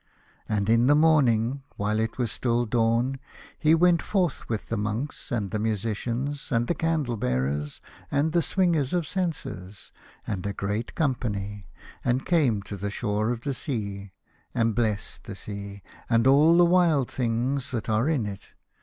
And in the morning, while it was still dawn, he went forth with the monks and the musicians, and the candle bearers and the swingers of censers, and a great company, and 127 A House of Pomegranates. came to the shore of the sea, and blessed the sea, and all the wild things that are in it.